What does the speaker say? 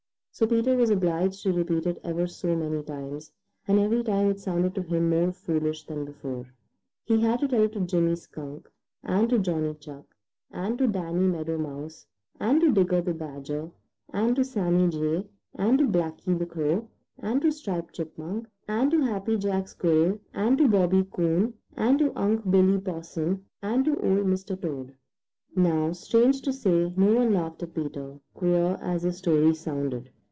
So Peter was obliged to repeat it ever so many times, and every time it sounded to him more foolish than before. He had to tell it to Jimmy Skunk and to Johnny Chuck and to Danny Meadow Mouse and to Digger the Badger and to Sammy Jay and to Blacky the Crow and to Striped Chipmunk and to Happy Jack Squirrel and to Bobby Coon and to Unc' Billy Possum and to Old Mr. Toad. Now, strange to say, no one laughed at Peter, queer as the story sounded.